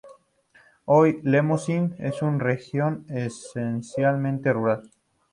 Hoy, Lemosín es una región esencialmente rural.